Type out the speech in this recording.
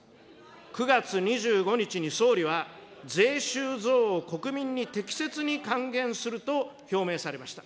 ９月２５日に総理は税収増を国民に適切に還元すると表明されました。